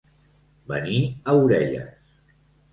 Venir a orelles.